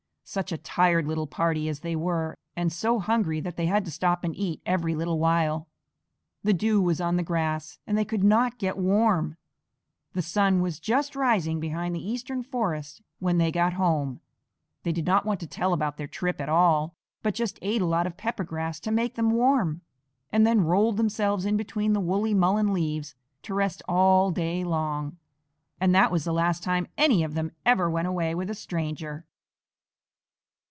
Such a tired little party as they were, and so hungry that they had to stop and eat every little while. The dew was on the grass and they could not get warm. The sun was just rising behind the eastern forest when they got home. They did not want to tell about their trip at all, but just ate a lot of pepper grass to make them warm, and then rolled themselves in between the woolly mullein leaves to rest all day long. And that was the last time any of them ever went away with a stranger.